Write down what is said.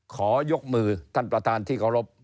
ขอยกมือท่านประธานที่เคารพ